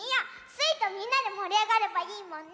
スイとみんなでもりあがればいいもんねえ。